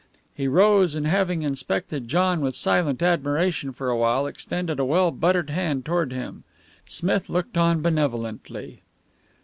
He rose, and, having inspected John with silent admiration for a while, extended a well buttered hand towards him. Smith looked on benevolently.